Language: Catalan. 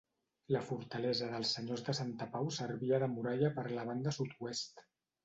La fortalesa dels senyors de Santa Pau servia de muralla per la banda sud-oest.